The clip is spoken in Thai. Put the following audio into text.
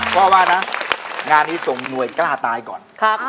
ว่านะงานนี้ส่งหน่วยกล้าตายก่อน